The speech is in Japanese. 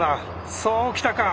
そう来たか。